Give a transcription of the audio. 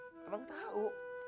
abang tau abang tau